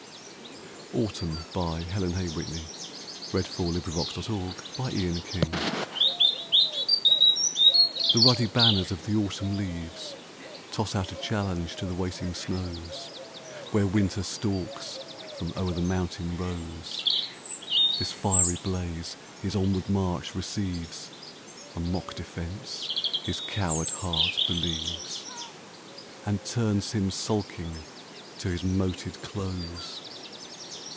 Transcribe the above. do the newly blind I pray for death to hide the bitter sight. AUTUMN The ruddy banners of the Autumn leaves Toss out a challenge to the waiting snows, Where Winter stalks from o'er the mountain rows; This fiery blaze his onward march receives, A mock defence his coward heart believes, And turns him sulking to his moated close.